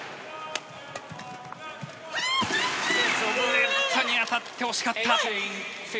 ネットに当たって惜しかった。